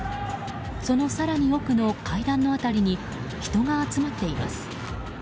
その更に奥の階段の辺りに人が集まっています。